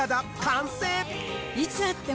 いつ会っても。